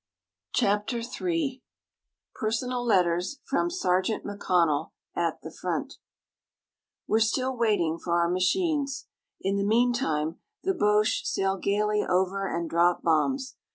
CHAPTER III PERSONAL LETTERS FROM SERGEANT McCONNELL AT THE FRONT We're still waiting for our machines. In the meantime the Boches sail gaily over and drop bombs.